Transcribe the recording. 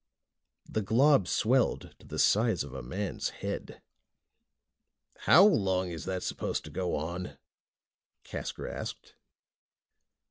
The glob swelled to the size of a man's head. "How long is that supposed to go on?" Casker asked.